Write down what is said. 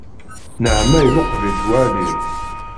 Nnaɛma iluqeb-itt walim.